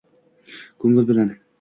ko‘ngli bilan